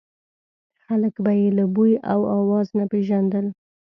خلک به یې له بوی او اواز نه پېژندل.